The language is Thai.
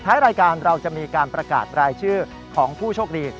รายการเราจะมีการประกาศรายชื่อของผู้โชคดี